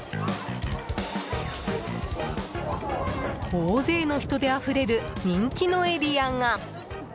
大勢の人であふれる人気のエリアが。